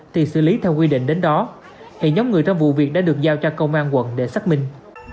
thì xử lý theo quy định đến đó hiện nhóm người trong vụ việc đã được giao cho công an quận để xác minh